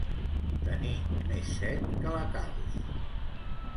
Tenir més set que la calç.